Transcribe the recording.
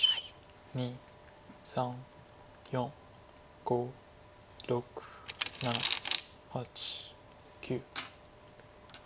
２３４５６７８９。